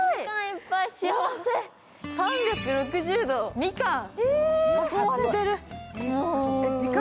３６０度、みかん。